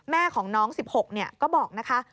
แม่ของน้อง๑๖ก็บอกนะคะ